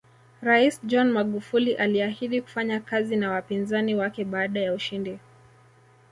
Rais John Magufuli aliahidi kufanya kazi na wapinzani wake baada ya ushindi